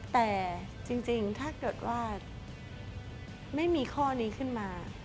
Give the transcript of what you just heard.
แต่จริงถ้าเกิดว่าไม่มีข้อนี้ขึ้นมา